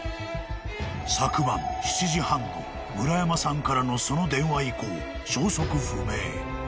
［昨晩７時半の村山さんからのその電話以降消息不明］